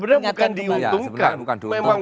sebenarnya bukan diuntungkan memang wasit mengikuti regulasi